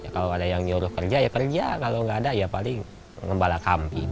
kalau ada yang nyuruh kerja ya kerja kalau nggak ada ya paling ngembala kambing